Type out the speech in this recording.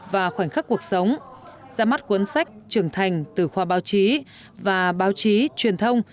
và khoảnh khắc cuộc sống ra mắt cuốn sách trưởng thành từ khoa báo chí và báo chí truyền thông